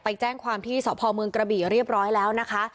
ไปแจ้งความที่สพเมืองกระบี่เรียบร้อยแล้วนะคะ